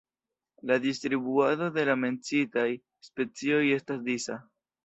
La distribuado de la menciitaj specioj estas disa.